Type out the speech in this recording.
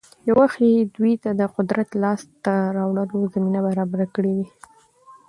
يـو وخـت يـې دوي تـه د قـدرت لاس تـه راوړلـو زمـينـه بـرابـره کـړي وي.